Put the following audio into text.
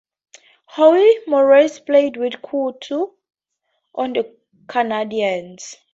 Howie Morenz played with Coutu on the Canadiens.